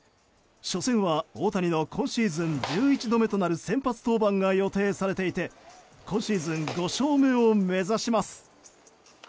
初戦は大谷の今シーズン１１度目となる先発登板が予定されていて今シーズン５勝目を目指します。